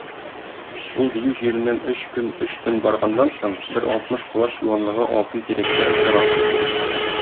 Ул дию җиреннән өч көн, өч төн барганнан соң, бер алтмыш колач юанлыгы алтын тирәккә очрарсыз.